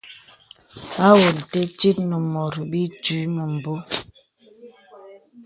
Awòlə̀ te mùt nè tit bə itwǐ mə̀mbō.